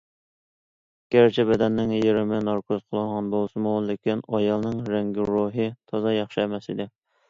گەرچە بەدەننىڭ يېرىمى ناركوز قىلىنغان بولسىمۇ، لېكىن ئايالنىڭ رەڭگىرويى تازا ياخشى ئەمەس ئىدى.